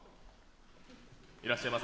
いらっしゃいませ。